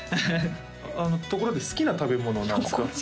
あのところで好きな食べ物は何ですか？